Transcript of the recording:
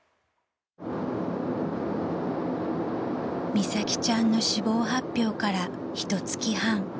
［美咲ちゃんの死亡発表からひと月半］